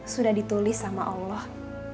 sudah ditulis sama allah